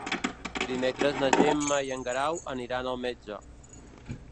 Dimecres na Gemma i en Guerau aniran al metge.